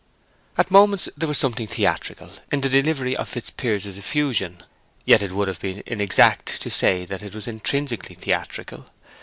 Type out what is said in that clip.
At moments there was something theatrical in the delivery of Fitzpiers's effusion; yet it would have been inexact to say that it was intrinsically theatrical.